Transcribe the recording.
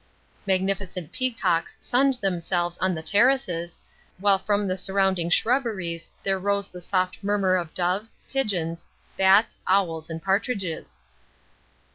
Magnificent peacocks sunned themselves on the terraces, while from the surrounding shrubberies there rose the soft murmur of doves, pigeons, bats, owls and partridges.